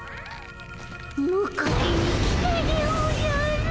むかえに来たでおじゃる。